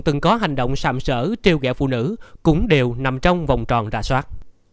từng có hành động sạm sở trêu ghẹo phụ nữ cũng đều nằm trong vòng tròn ra soát